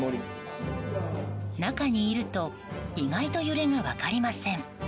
中にいると意外と揺れが分かりません。